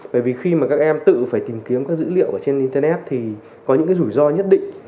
bởi vì khi mà các em tự phải tìm kiếm các dữ liệu ở trên internet thì có những cái rủi ro nhất định